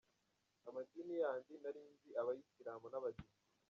Amadini yandi nari nzi abayisiramu n’abadive.